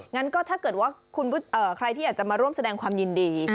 งั้นก็ถ้าเกิดว่าใครที่อยากจะมาร่วมแสดงความยินดี